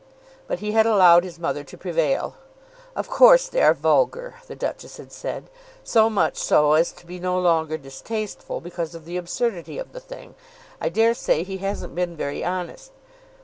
But he had allowed his mother to prevail. "Of course they are vulgar," the Duchess had said, "so much so as to be no longer distasteful because of the absurdity of the thing. I dare say he hasn't been very honest.